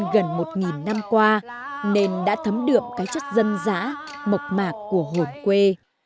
gần một năm qua nên đã thấm đượm cái chất dân dã mộc mạc của hồn quê